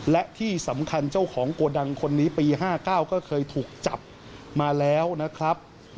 และที่สำคัญเจ้าของโกดังคนนี้ปี๕๙ก็เคยถูกจับมาแล้วนะครับ